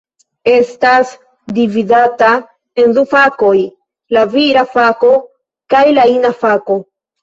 Estas dividata en du fakoj: la vira fako kaj la ina fako.